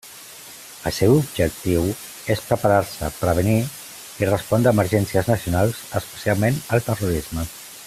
El seu objectiu és preparar-se, prevenir i respondre a emergències nacionals, especialment el terrorisme.